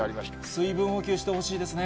水分補給してほしいですね。